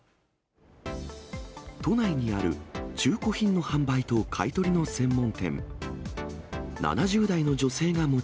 都内にある、中古品の販売と買い取りの専門店。